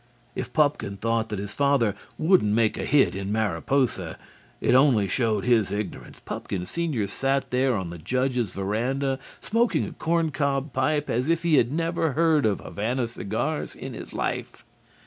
If Pupkin thought that his father wouldn't make a hit in Mariposa, it only showed his ignorance. Pupkin senior sat there on the judge's verandah smoking a corn cob pipe as if he had never heard of Havana cigars in his life.